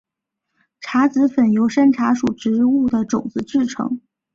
茶籽粉由山茶属植物的种子制成。